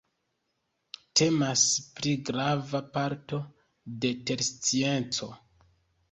Temas pri grava parto de terscienco.